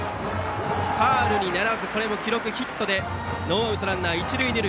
ファウルにならず記録がヒットでノーアウトランナー、一塁二塁。